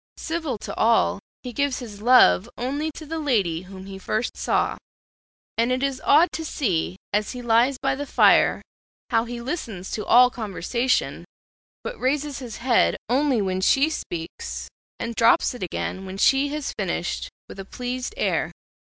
Civil to all, he gives his love only to the lady whom he first saw; and it is odd to see, as he lies by the fire, how he listens to all conversation, but raises his head only when she speaks, and drops it again when she has finished, with a pleased air.